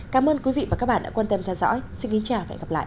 cảm ơn quý vị và các bạn đã quan tâm theo dõi xin kính chào và hẹn gặp lại